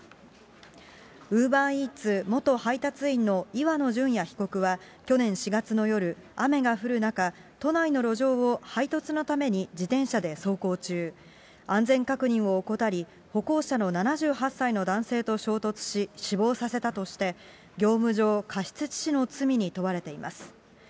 ウーバーイーツ元配達員の岩野純也被告は去年４月の夜、雨が降る中、都内の路上を配達のために自転車で走行中、安全確認を怠り、歩行者の７８歳の男性と衝突し、死亡させたとして、業務上過失致死の罪に問われています。